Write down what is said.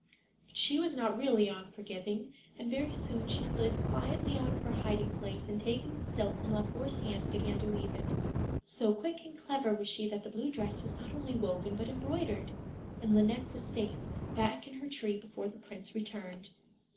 But she was not really unforgiving, and very soon she slid quietly out of her hiding place, and taking the silk from Laufer's hands began to weave it. So quick and clever was she that the blue dress was not only woven but embroidered, and Lineik was safe back in her tree before the prince returned.